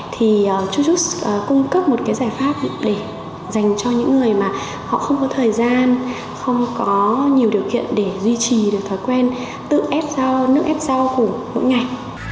thì chujust cung cấp một cái giải pháp để dành cho những người mà họ không có thời gian không có nhiều điều kiện để duy trì được thói quen tự ép ra nước ép rau khủng mỗi ngày